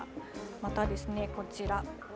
またですね、こちら。